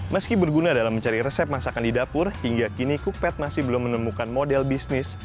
meski berguna dalam mencari resep masakan di dapur hingga kini cooped masih belum menemukan model bisnis